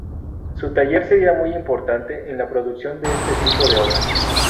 Su taller sería muy importante en la producción de este tipo de obras.